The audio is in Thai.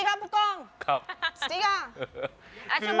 สวัสดีครับผู้กล้องสวัสดีครับ